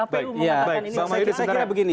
bukan bawaslu atau bukan kpu yang mengatakan ini